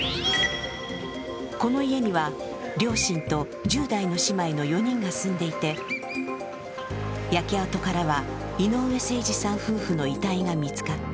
この家には、両親と１０代の姉妹の４人が住んでいて焼け跡からは井上盛司さん夫婦の遺体が見つかった。